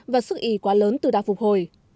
và sức ị quá lớn từ đạp phục hồi